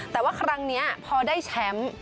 แต่ว่าครั้งนี้พอได้แชมป์